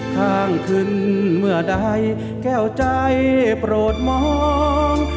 ข้างขึ้นเมื่อใดแก้วใจโปรดมอง